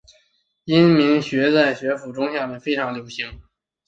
阳明学在幕府中下武士阶层中非常流行。